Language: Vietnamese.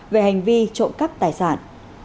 về hành vi trộm cắp tài sản